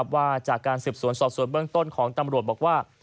ภาษาการ๑๐ส่วนสอบ๑๐สวนเบื้องต้นของตำรวจบอกว่า